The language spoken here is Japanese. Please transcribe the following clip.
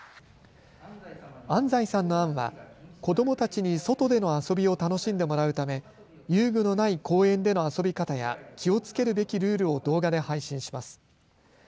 安齋さんの案は子どもたちに外での遊びを楽しんでもらうため遊具のない公園での遊び方や気をつけるべきルールを動画で配信します。